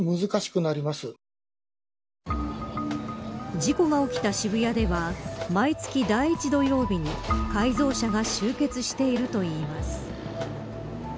事故が起きた渋谷では毎月第一土曜日に改造車が集結しているといいます。